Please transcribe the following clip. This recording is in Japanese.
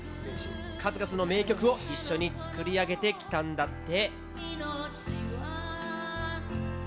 数々の名曲を一緒に作り上げてきたんだって。